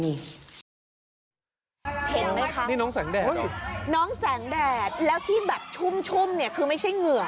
เร็วละก็ที่นมสังแดดแล้วที่แบบชุ่มชุ่มเนี้ยคือไม่ใช่เงื่อ